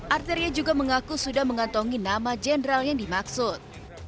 arteria juga mengaku sudah mengantongi nama jenderal yang dimaksud